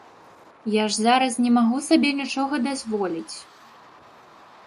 Я ж зараз не магу сабе нічога дазволіць.